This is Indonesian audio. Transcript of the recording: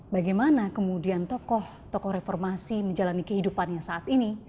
bagaimana kemudian tokoh tokoh reformasi menjalani kehidupannya saat ini